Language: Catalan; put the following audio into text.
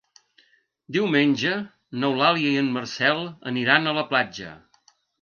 Diumenge n'Eulàlia i en Marcel aniran a la platja.